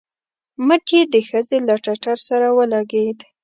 مټ يې د ښځې له ټټر سره ولګېد.